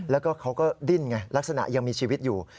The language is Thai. แล้วก็เขาก็ดิ้นไงลักษณะยังมีชีวิตอยู่